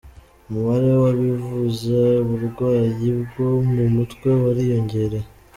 Umubare w’abivuza uburwayi bwo mu mutwe wariyongereye.